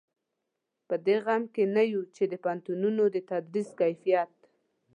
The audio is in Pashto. په دې غم کې نه یو چې د پوهنتونونو د تدریس کیفیت.